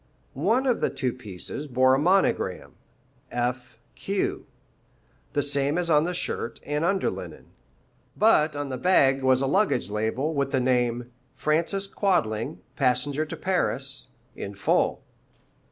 One or two pieces bore a monogram, "F.Q.," the same as on the shirt and under linen; but on the bag was a luggage label, with the name, "Francis Quadling, passenger to Paris," in full.